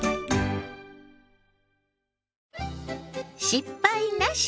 「失敗なし！